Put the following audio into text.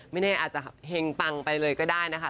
ไม่แน่อาจจะเห็งปังไปเลยก็ได้นะคะ